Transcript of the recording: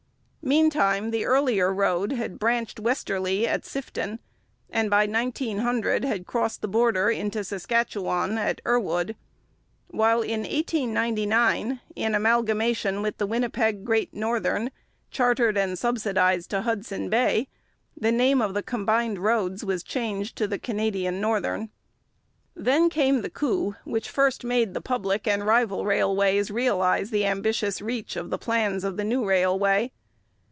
Meantime the earlier road had branched westerly at Sifton, and by 1900 had crossed the border into Saskatchewan at Erwood; while in 1899, in amalgamation with the Winnipeg Great Northern, chartered and subsidized to Hudson Bay, the name of the combined roads was changed to the Canadian Northern. Then came the coup which first made the public and rival railways realize the ambitious reach of the plans of the new railway.